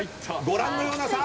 ご覧のような差。